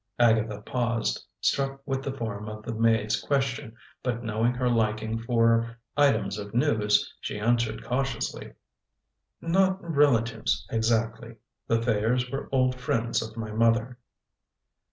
Agatha paused, struck with the form of the maid's question; but, knowing her liking for items of news, she answered cautiously: "Not relatives exactly. The Thayers were old friends of my mother."